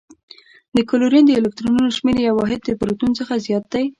د کلورین د الکترونونو شمیر یو واحد د پروتون څخه زیات دی.